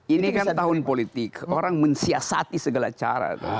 ini kan tahun politik orang mensiasati segala cara